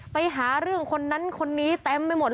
ไปหาเรื่องคนนั้นคนนี้เต็มไปหมด